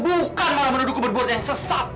bukan orang menudukku berbuat yang sesat